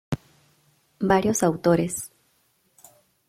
Varios Autores.